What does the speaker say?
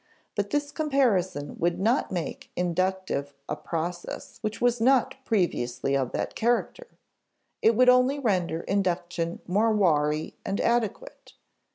But this comparison would not make inductive a process which was not previously of that character; it would only render induction more wary and adequate.